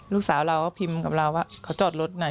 ลูกสาวเราก็พิมพ์กับเราว่าเขาจอดรถไหน